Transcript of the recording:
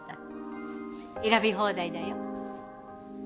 選び放題だよ。